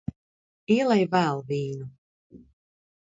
Ielej vēl vīnu.